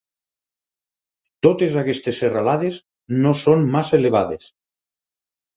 Totes aquestes serralades no són massa elevades.